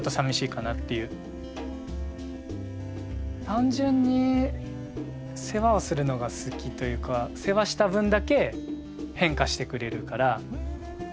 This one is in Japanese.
単純に世話をするのが好きというか世話した分だけ変化してくれるから楽しいですよね。